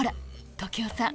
時生さん